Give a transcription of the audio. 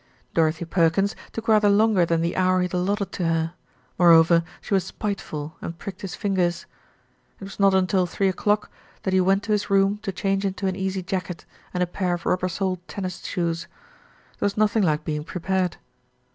Dorothy Perkins took rather longer than the hour he had allotted to her; moreover she was spiteful and pricked his fingers. It was not until three o'clock that he went to his room to change into an easy jacket, and a pair of rubber soled tennis shoes. There was nothing like being prepared.